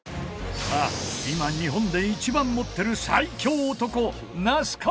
さあ今日本で一番持ってる最強男那須川